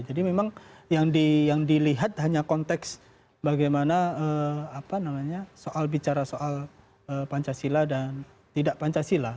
jadi memang yang dilihat hanya konteks bagaimana soal bicara soal pancasila dan tidak pancasila